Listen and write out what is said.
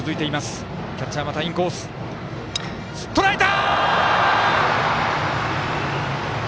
とらえた！